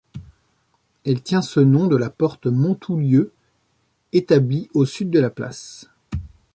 Elle tient ce nom de la porte Montoulieu, établie au sud de la place.